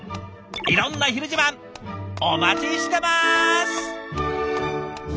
いろんな「ひる自慢」お待ちしてます！